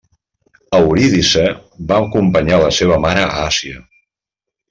Eurídice va acompanyar a la seva mare a Àsia.